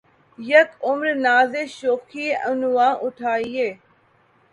یک عمر نازِ شوخیِ عنواں اٹھایئے